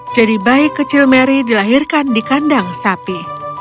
jadi bayi kecil mary dilahirkan di kandang sapi